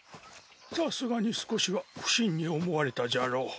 さすがに少しは不審に思われたじゃろ？